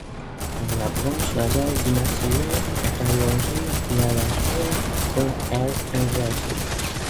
La branche nasale du maxillaire est allongée et a la forme d'un L inversé.